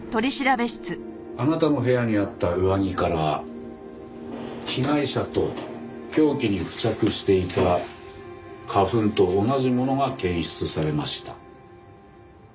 あなたの部屋にあった上着から被害者と凶器に付着していた花粉と同じものが検出されました。